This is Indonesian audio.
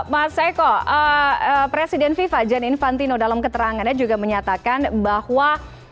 mas eko presiden fifa jan infantino dalam keterangannya juga menyatakan bahwa